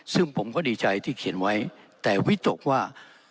ซึ่งผมก็ดีใจที่เขียนไว้แต่วิตกว่า